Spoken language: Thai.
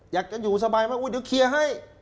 อยากจะอยู่สบายมากอุ๊ยเดี๋ยวเคลียร์ให้